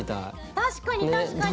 確かに確かに。